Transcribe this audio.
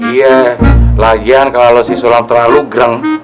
iya lagian kalau si sulam terlalu greg